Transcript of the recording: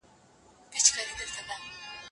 دا اپلیکیشن د زده کړې لپاره ډېر ګټور دی.